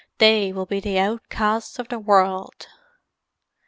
"They will be the outcasts of the world!"